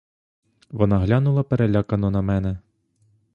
Вона глянула перелякано на мене.